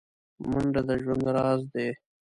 منډه د ژوند راز دی